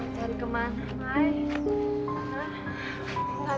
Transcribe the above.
aduh kemana ya cari kemana